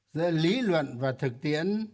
giữa lý luận và tâm trí